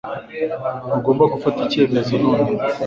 Ntugomba gufata icyemezo nonaha.